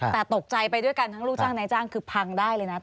แต่ตกใจไปด้วยกันทั้งลูกจ้างนายจ้างคือพังได้เลยนะ